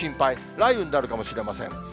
雷雨になるかもしれません。